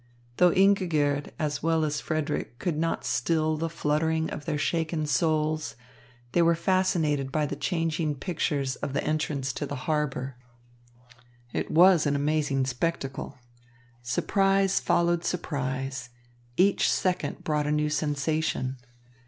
Though Ingigerd as well as Frederick could not still the fluttering of their shaken souls, they were fascinated by the changing pictures of the entrance to the harbour. It was an amazing spectacle. Surprise followed surprise. Each second brought a new sensation.